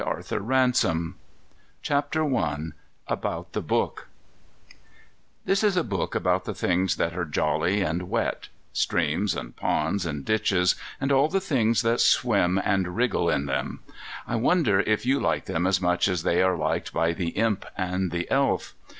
Our Own Aquarium I ABOUT THE BOOK This is a book about the things that are jolly and wet: streams, and ponds, and ditches, and all the things that swim and wriggle in them. I wonder if you like them as much as they are liked by the Imp and the Elf?